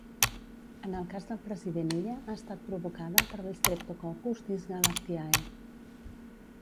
En el cas del president Illa ha estat provocada per l'Streptococcus dysgalactiae